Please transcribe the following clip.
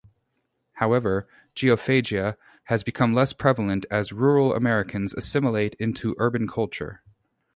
However, geophagia has become less prevalent as rural Americans assimilate into urban culture.